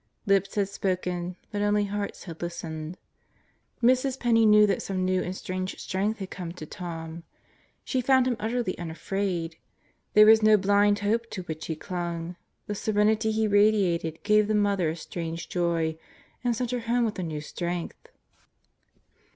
Lips had spoken, but only hearts had listened. Mrs. Penney knew that some new and strange strength had come to Tom. She found him utterly unafraid. There was no blind hope to which he clung; the serenity he radiated gave the mother a strange joy and sent her home with a new strength.